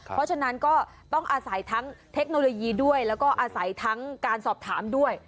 เพราะฉะนั้นก็ต้องอาศัยทั้งเทคโนโลยีด้วยแล้วก็อาศัยทั้งการสอบถามด้วย